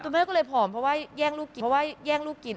แต่แม่ก็เลยผอมเพราะว่าย่งลูกกิน